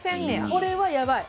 これはやばい！